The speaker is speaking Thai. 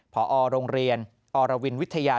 พรโรงเรียนอวิทยา